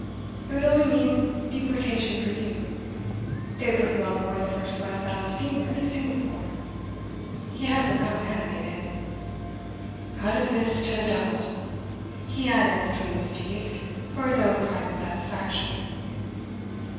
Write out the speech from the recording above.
It would only mean deportation for you. They would put you on board the first west bound steamer to Singapore." He had become animated. "Out of this to the devil," he added between his teeth for his own private satisfaction.